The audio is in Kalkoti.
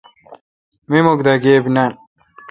می مکھدا گیبی نان۔